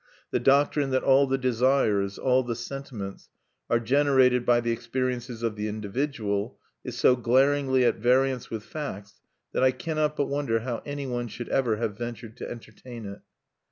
The doctrine that all the desires, all the sentiments, are generated by the experiences of the individual, is so glaringly at variance with facts that I cannot but wonder how any one should ever have ventured to entertain it."